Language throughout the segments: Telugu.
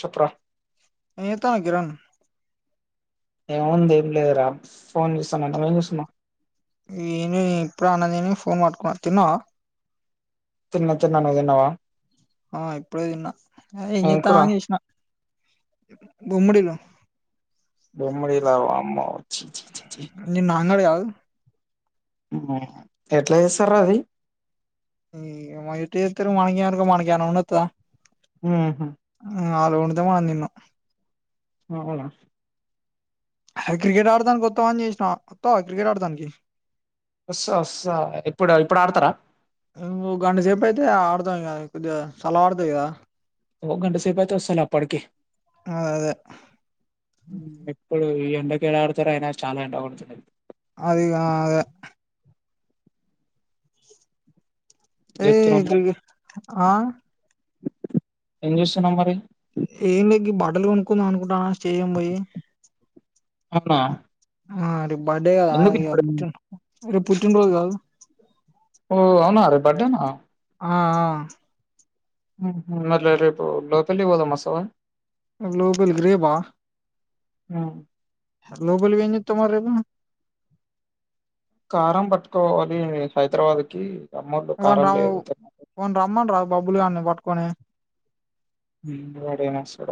చెపరా న ఏతాను కిరణ్ ఏముంది ఏం లేదురా ఫోన్ చూస్తున్నా నువెం చెస్తునావ్ ఈమె ఇప్పుడు ఆనదిని ఫోన్ మాట్టుకున్నా తిన్నా చతిన్న తిన్న తిన్నావా ఆ ఇప్పుడే తిన్నా అదే ఏం చెత్తన్నావ్ అని చేసిన బమ్మడిలో బెమ్మడిలా అమ్మ నీ నాన్నదు కాదు మ్మ్ ఎట్లా చేస్తారు రా అది ఈ మటితే మణకిను మణగన ఉన్నతా హుహు ఇంగ ఆళ్ళు వండితే మనం తిన్నాం అవున క్రికెట్ ఆడదానికి వత్తావ్ అని చేసినా వత్తవ క్రికెట్ ఆడదానికి వస్స వస్సా ఇప్పుడు ఇప్పుడు ఆడతారా ఇంకో గంట సేపు అయితే ఆడదాం ఇగ కొద్దిగా సలాడుగా ఇగ ఓ గంట సేపు అయితే వస్తలే అప్పటికి అదే మ్మ్ ఎప్పుడు ఎండకు ఎడాడతారు అయినా చాలా ఎండ కొడుతున్నది అదే అది అదే ఏం ఏ చెప్తున్నావ్ మరి [inaudible] ఆ ఏం చేస్తున్నావ్ మరి ఎందికి బడలు కొనుకుందాం అనుకుంటున్న చెయ్యం పోయి అవునా ఆ రెబ్ బర్డే కద ఎందుకు ఇగ ఇప్పుడు [unintelligible] రేప్ పుట్టిన రోజు కాదు ఓ అవునా రేప్ బర్డేనా ఆ ఆ మ రేపు లోపల్ పోదామ్ వస్సవ గ్లోబల్ గ్రే బా ఆ లోపల పోయి ఏం చేత్తావ్ [inaudible] కారం పట్టుకు పోవాలి హైదరాబాద్ కి అమ్మోళ్ళు వన్ కారం రామ లేదు వన్ రమ్మన్ రా బబ్లూ గాన్ని పట్కుని వాడే మసడ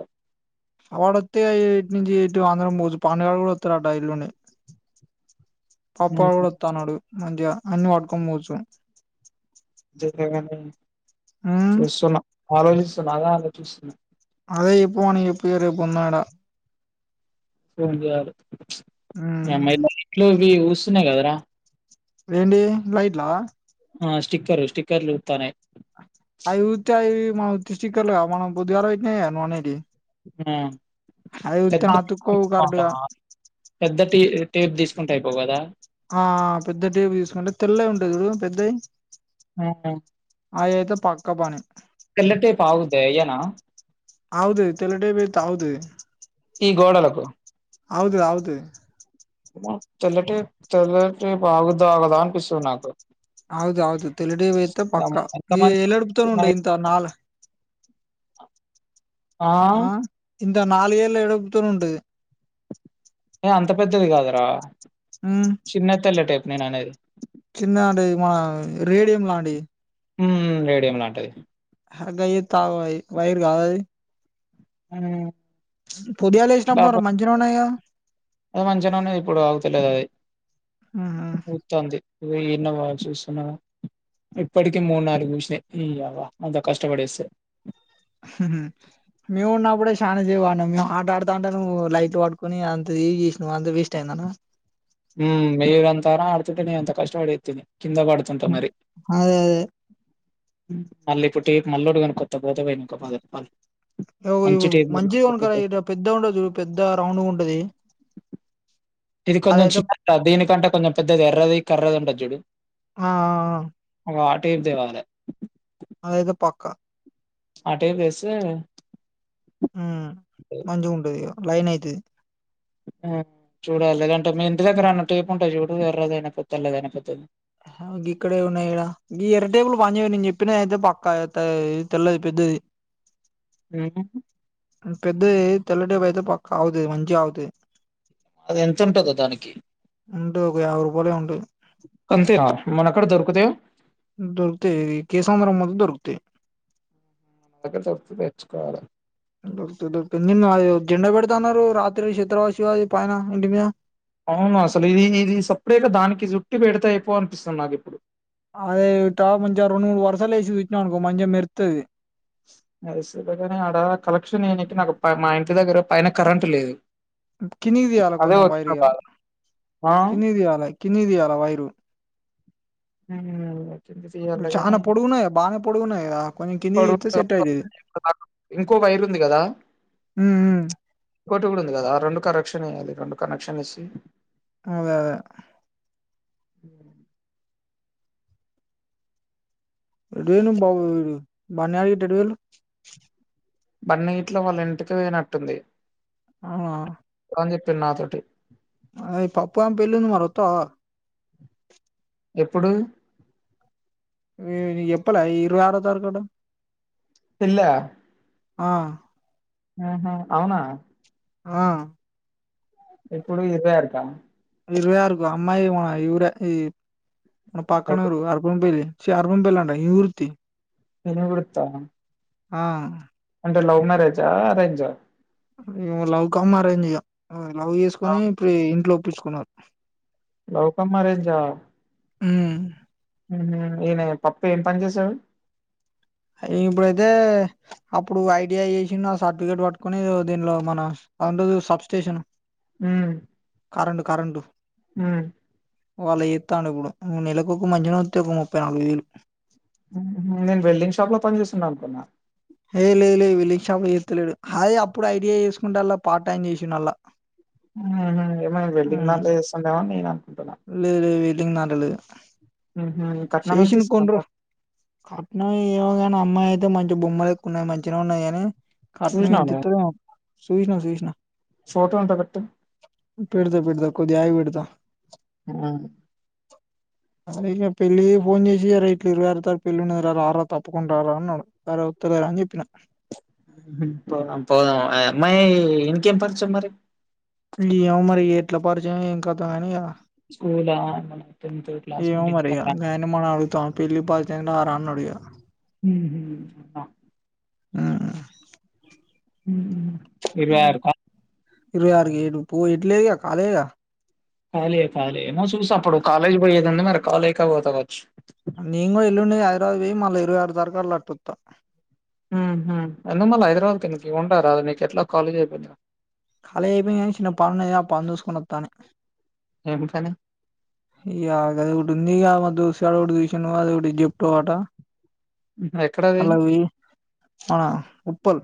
అ వాడత్తే ఎటు నుంచి ఎటు ఆంధ్రం పోచ్చు పండుగలు కూడా వస్తారు ఆ డైలోనే పాప కూడా వత్త అన్నాడు మంద్య అన్ని పట్టుకొని పోవచ్చు [inaudible] ఉమ్ చేస్సున్న [unintelligible] బాల ఆలోచిస్తున్నా అదే ఎప్పువని ఇ పేర్ ఎపున్నాడ ఫోన్ జేయలే ఉమ్ ఇ అమ్మాయి మళ్ళీ ఇంట్లో వి ఊస్ సున్న గదరా ఎండి లైట్లా ఆ స్టిక్కరు స్టిక్కర్లు తనే మ ఉత్తి స్టిక్కర్లు మనం పొదుగలే గ నువ్ అనేటి ఆ పెద్ద [unintelligible] అతుక్కోవు కరెక్ట్ గా బాగుంటామా పెద్ద టేప్ తీస్కుంటే అయిపో కదా ఆ పెద్ద టీవ్ తీూస్కుంటే తెల్ల గ్ ఉంటది చుడు పెద్దయ్ ఆ ఆ అయేతే పక్క పని తెల్ల టేప్ ఆగుద్ద ఈయన అగుతది తెల్ల టేప్ ఎత్తే అగుతది ఈ గోడలకు అగుత అగుతది తెల్లటి తెల్లటి బాగోదడదఆ కదా అనిపిస్తుంది నాకు అవుదువుదు తెలుడి వైయితే పక్కా ఎంత ఇది మంచి ఎల్డుపుతాను ఉం ఇంత నాల ఆ ఇంద నాల్గ్ ఎల్ ఎడుక్తు ఉండువి ఏ అంత పెద్దది గదురా అనేది చిన్న అంటే మన రేడియం లాం డి ఉమ్మ్ రేడియం లాంటిది హ గయిత్త వోయి వైర్ గాద్ అది ఉమ్ అసలు పుదియాలు వేసినామ్ పొర మంచిరా ఉన్నాయా అది మంచినే ఇప్పుడు ఆగుతలేద్ అది ఉహు ఉతంది ను ఇ ఇన్నవా చూస్తున్నావా ఇప్పటికీ మూడు నాలుగు నిమ్ష్నే నీయవ్వ అంత కష్టపడేస్తే మేము ఉన్నప్పుడే శానా సేప్అడ్నమ్ మేము ఆట ఆడుతా అంటే నువ్వు లైట్ వాడుకొని అంత ఇ చేసిన నువ్వు అంత వేస్ట్ అయిందన. ఉమ్ మీర్ అంతరా ఆడుతుంటె నే అంత కష్టవడి ఎత్తిని కింద పడుతుంట అదే అదే మల్లిపుట్టిప్ మళ్ళోడు కోన్ కొత్త పోత పోయినాన్కొ పద పద యవ్ ఇవు మంచిది కొన్కర ఇడ పెద్దగ్ ఉంటద్ చూడు పెద్ద రౌండ్గ ఉంటది అదయితే. త దీనికంటే కొంచెం పెద్దది ఎర్రది కర్రది ఉంటద్ చుడు ఆ ఆ, వా టేప్ తేవాలే ఆదైతే పక్క ఆ టేప్ తెస్తే మ్మ్ మంచిగా ఉంటది ఇగ లైన్ అయితది ఆ చూాడాలి లేదంటే మీ ఇంటి దగ్గర అన్నతో చెప్ప్ ఉంటా చూడు ఎర్రద అయినా పొద్దుా లేద అయినా పొత్తది గిక్కడే ఉన్నాయి ఇడ ఎర్ర టేబులు పని చేయవు నేను చెప్పిన అయితే పక్కా తెల్లది పెద్దది మ్మ్ పెద్ద తెల్లటేబ అయితే పక్కా అవుతది మంచిగా అవుతది అది ఎంత ఉంటదో దానికి పోలే ఉంది అంతే మన ఎక్కడ దొరుకుతయ తమ్మరము మందు దొరుకుతయి అత చర్చు తెచ్చుకోవాల నిన్న జెండా పెడుతాన్నారు రాత్రి చిత్రవాసివది పైన ఇంటి మీద అవును అసలు ఇది ఇది సపరేట్గా దానికి జుట్టి పెడితే అయిపో అనిపిస్తది నాకు ఇప్పుడు అదే వి తా మెంజరు నువు వరుసలేసి పెట్టినావనుకో మంచిగా మెరుత్తది సరే గాని అడ కలెక్షన్ ఏ నాకు మా ఇంటి దగ్గర పైన కరెంట్ లేదు కిణీకి దియాల అదే కొంచం వచ్చిన వైరిగా బాధ ఆ కిందికి దియాల కిందికి దియాల వైరు మ్మ్ తీయాలగానే చానా పొడుగున్నాయి బానే పొడుగున్నాయి కదా కొంచెం కిందికి తీత్తే సెట్ అయితది ఇంకో వైరు ఉంది కదా ఉమ్ ఉమ్ ఇంకోటి కూడా ఉంది కదా రెండు కరెక్షన్ వేయాలి రెండు కనెక్షన్ ఏసి అదే మ్మ్ రెడు వేలు బాబ బిడు బాన రెడు వేలు బన్నీ ఇట్లో వాళ్ళ ఇంటికి వేయనట్టుంది ఆ [unintelligible] నా తోటి ఆ పప్పుగాన్ పెళ్ళుంది మరోత్తావ ఎప్పుడు ఎప్పలే ఇరవై ఆరో తారికట పెళ్లా ఆ ఆహ అవునా ఆ ఎప్పుడు ఇదే ఆట ఇరవై ఆరుకు అమ్మాయి వాయ్ ఈ ఊరే మన పక్కనూరు అల్పం పెర్రీ చ అర్బం పెల్లం ఇవృత్తి తను గుడుతా ఆ అంటే లవ్ మ్యారేజ్ ఆ అరేంజ ఇ లవ్ కమ్ అరేంజ్ ఇగా లవ్ చేసుకొని అవును. ఇప్పు ఇంట్లో [unintelligible] కున్నారు లోక మారేజా ఉమ్ ఈయన పప్పు ఏం పని చేసాడు అయి ఇప్పుడైతే అప్పుడు ఐటిఐ చేసిన సర్టిఫికేట్ పట్టుకుని దీనిలో మన అ ఉంది సబ్స్టేషన్ హ కరెంటు కరెంటు హ వాళ్ళ చేేస్తాను ఇప్పుడు. మూడు నెలకు ఒక మధ్యన వతి ఒక ముప్పై నాలుగు వేలు నేను వెల్డింగ్ షాప్ లో పని చేేస్తుండను అనుకున్నాను ఏ లే లే వెల్డింగ్ షాప్ చేస్తలేడు. హా అప్పుడు ఐటీఐ చేసుకుంటే అల్లా పార్ట్ టైం చేసాడు అల్లా ఆ ఏమీ వెల్డింగ్ దాంట్లో చేస్తుండ మి లే లే లే ఏమ్ కాలేదు హుహు. కట్నం ఎంత శేషన్ ఇస్తారంట కొండరు కట్న ఎవగానా అమ్మాయి అ మంచి బొమ్మలు ఎక్కున్నా మగా ఉన్నాయి కాని కట్నం చూసినావ ఏంత నువ్వు ఇత్తు వ సూష్నా సూష్నా ఫోటో ఉంటే పెట్టు పిడత పిడత కొది ఆయి వడత [inaudible] ఆ అక [unintelligible] పెళ్ళలి ఫోన్ చేసి ఎరే ఇట్లు ఇరువేరతారు పెళ్ళి రాలా తప్పకుండా రారా అన్నాడు వరే ఒత్తులేార అని చెప్పాను పోదం పోదం అమ్మాయి ఇకేం పరచ మరి ఇమో మరి ఎట్ల పరిచయం ఏం కదాం కాని స్కూల్ ఆ టెన్త్ క్లాస్న్ ఏమో నుండి మరి ఇన్స్టా రా రా అని అడిగా హ్ హమ్ ఆ ఉ ఇరవై ఆరు క ఇరవై ఆరుకి ఏడు పో ఏట్ లేదుగా కాలేదుగా ఫాల ఫాల మ చూస అప్పుడు కాలేజ్ పోయేదం మరి కాాల ఎ కాబత కచ్చ నేను కూడా ఎల్లుండి హైదరాబాద్ కి పోయి మళ్ళీ ఇరవై ఆరు తరకాళలాటుత అ హా అంటే మల్ల హైదరాబాద్ కి ఎందుకు ఉంటారు అ ఎట్లా కాలేజ్ ఐపోయింది గా కాలేజ్ అయిపోయి కానీ చిన్న పనున్నది ఆ పని చూసుకొని వత్త అని ఏం పని కది ఉంది మా దస [unintelligible] [unintelligible] జెప్టో అటా హుహు. ఎక్కడది మల్లా అవి ఆ ఉప్పల్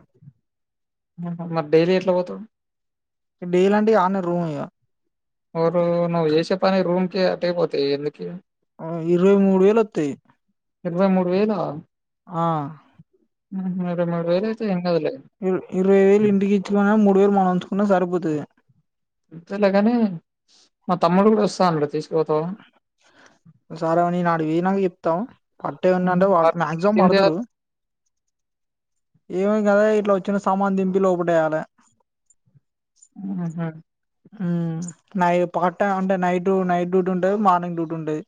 మరి డైలీ ఎట్లా పోతవు. డైలీ అంటే అన్నే రూం ఇగా [unintelligible] నువ్వు చేసే పనికి రూమ్కే అటేపోతయి ఎందుకు ఇగా. ఆ ఇరవై మూడు వేలు అత్తయి. ఇరవై మూడు వేలా హుహ్ మరి వేరు అయితే కాదులే ఇరు ఇరవై వేలు ఇంటికి ఇచ్చుకున్న మూడు వేలు మనం ఉంచుకున్న సరి పోతది. ఇత్తలేగాని మ తమ్ముడు కూడా వస్తా అన్నడు తీసు సార్ ఆ నేనాడికి వొయినంకా చెప్ తం పట్టేది హుహు. ఉందంటే వ వాడికి మాక్సిమం ఏం పడతరు. చేయాలి ఏమిమి గదే ఇట్లా వచ్చిన సామాన్ దింపి లోపటేయాలే. హుహు. హ్ నై పార్ట్ టైం అంటే నైట్ నైట్ డ్యూటీ ఉంటది, మార్నింగ్ డ్యూటీ ఉంటది.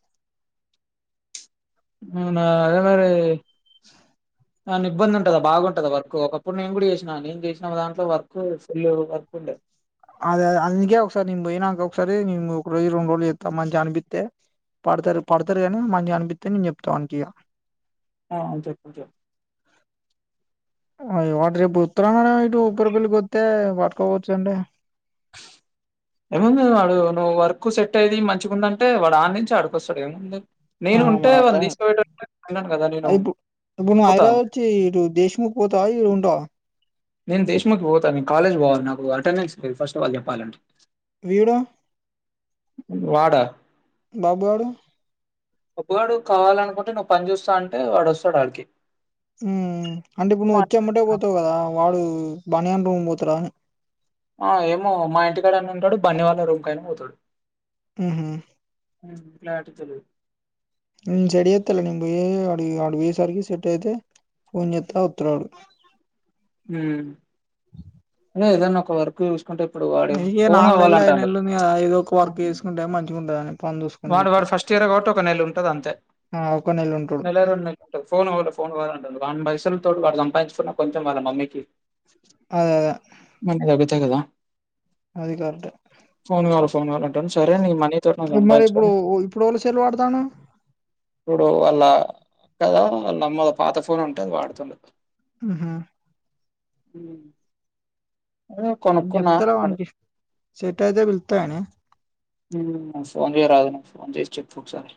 అవునా అదే మరి ఎమన్నా ఇబ్బంది ఉంటదా బాగుంటదా వర్క్ కొ ఒకప్పుడు నేను కూడా చేసిన నేను చేసినా దాంట్లో వర్క్ ఫుల్ వర్క్ ఉండే. అదే అదే అందుకే ఒకసారి నేను పోయినాంక ఒకసారి నేను ఒక రోజు రెండు రోజులు చేస్తా, మంచిగా అనిపిత్తే పడతరు పడతరు గాని మంచిగా అనిపిత్తే నేను చెప్తా ఆనికి ఇగా. ఆ చెప్పు చెప్పు వాడు రేపు ఓత్తడన్నడు కదా ఇటు ఊప్పరా పెళ్ళికి కోత్తే పట్కోవచ్చు అంటే ఏముంది వాడు నువ్వు వర్క్ సెట్ అయింది మంచిగా ఉందంటే వాడు ఆడి నుంచి ఆడికొస్తాడు ఏముంది. ఆ నేను ఉంటే వాడిని మరట్టనే తీసుకుపోయేటోడిని అన్నాను గదా! నేను ఆ ఇప్పుడు ఇప్పుడు నువ్వు పోతా. హైదరాబాద్ అచ్చి ఇటు దేశముఖ్ పోతావా ఇడ ఉంటవా. నేను దేశముఖ్ పోతా నేను కాలేజ్ పోవాలి. నాకు అటెండెన్స్ లేదు ఫస్ట్ ఆఫ్ ఆల్ చెప్పాలంటె. వీడు వాడా బాబు గాడు బబ్బుగాడు కావాలనుకుంటే నువ్వు పని చూస్తా అంటే వాడు వస్తడు ఆడికి. ఉ అంటే ఇప్పుడు నువ్వు వచ్చే ఎమ్మటే పోతవు కదా. వాడు బానుగాని రూం పోతాడా అని. ఆ ఏమో మా ఇంటికాడ అన్నా ఉంటడు. బన్నీ వాళ్ళ రూమ్ కైనా పోతడు. ఊహు క్లారీటితో లేదు. నేను సెట్ జేత్తలే నేను పోయి అడి అడు పోయేసరికి సెట్ అయితే ఫోన్చెత్తా ఓత్తడు ఆడు. హ్మ్ అదే ఏదన్నా ఒక వర్కు చూస్ అంటే ఇప్పుడు వాడు ఇగ ఫోన్ నాలుగు నెలలు ఐదు కావాలంటాడు. నెలలు ఉంది కదా ఏదో ఒక వర్క్ చేసుకుంటే మంచిగా ఉంటదని పని చూసుకొని వాడు చేత్తే వాడు ఫస్ట్ ఇయర్ కాబట్టి ఒక నెల ఉంటది అంతే. ఆ ఒక ఉంటడు నెల రెండు నెలలు ఉంటంది. ఫోన్ కావాలె ఫోన్ కావాలె వాని పైసలు వాడు సంపాదించుకున్న కొంచెం వాలా మమ్మీకి అదే అదే మంచిగా చదివిబిచ్చే కదా అది కరెక్ట్ఎ కొనాలే సరే నీ మనీ తో నువు ఇప్పుడు సంపాదించుకని ఇప్పుడు ఎవళ సెల్ వాడతాన్నవు ఇప్పుడు వాళ్ళ కదా వాళ్ళమ్మల పాత ఫోన్ ఉంటే అది వాడుతున ఊహు ఉ అదే కొనుక్కున్నా [unintelligible] సెటయితే పిల్తా కానీ ఫోన్ చేయ రాదు నా ఫోన్ చేసి చెప్పు ఒకసారి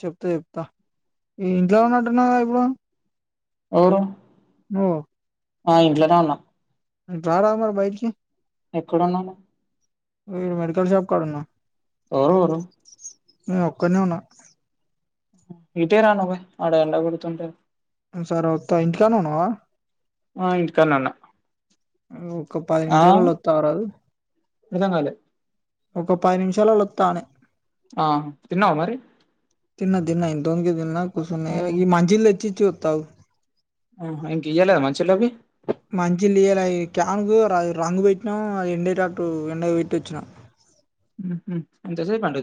చెప్తా చెప్తా ఈ ఇంట్లో ఉన్నట్టున్నావ్ గా ఇప్పుడు ఎవరు నువ్వు ఆ ఇంట్లోనే ఉన్నా రారాదు మరి బైటికి ఎక్కడున్నావ్ నువ్వు ఇడా మెడికల్ షాప్ కాడున్నా ఎవరు ఊరు నే ఒక్కనే ఉన్నా ఇటే రా నువ్వే ఆడ ఎండ కొడుతుంటే సరోత్త ఇంటికానే ఉన్నావా ఆ ఇంటికానే ఉన్న ను ఒక పది నిమిషాలలో వస్తా అగరదు అర్ధం కాలే ఒక పది నిమిషాలలా ఒత్త అని ఆ తిన్నావా మరి తిన్న తిన్న ఇంత ముందుకే తిన్న కుసున్న ఆ! ఇగ ఈ మంచి నీళ్ళు చి చతావు ఆ ఇంక ఇయాలే మంచిలోభి మంచిలిలు క్యాన్కు రంగు పెట్టినాం అది ఎండటట్టు ఎండ పెట్టి వచ్చినాం ఉహూ ఉ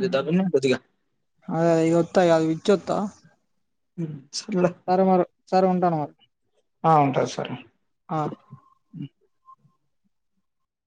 అదే అదే ఇగ ఒత్త అవి ఇచ్చి ఒత్త హూ సరే మరి సరే ఉంటాన మరి ఆ! ఉంటా సరే. ఆ